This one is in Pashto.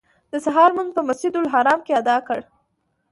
د سهار لمونځ مو په مسجدالحرام کې ادا کړ.